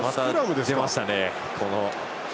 また出ましたね。